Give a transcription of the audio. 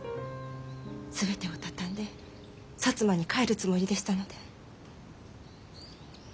全てを畳んで薩摩に帰るつもりでしたので。